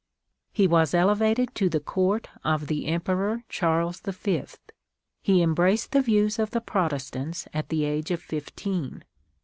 He was "elevated to the court of the Emperor Charles the Fifth. He embraced the views of the Protestants at the age of fifteen.